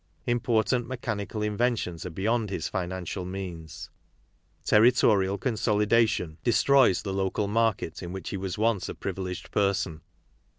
Important mechanical inventions are beyond his financial means. Territorial consolidation destroys the local market in which he was once a privileged person.